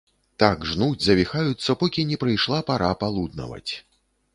Так жнуць, завіхаюцца, покі не прыйшла пара палуднаваць.